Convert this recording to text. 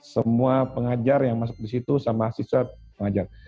semua pengajar yang masuk di situ sama siswa pengajar